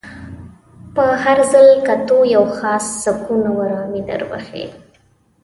په هر ځل کتو یو خاص سکون او ارامي در بخښي.